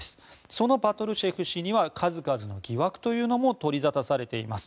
そのパトルシェフ氏には数々の疑惑というのも取り沙汰されています。